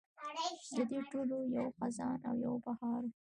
د دې ټولو یو خزان او یو بهار و.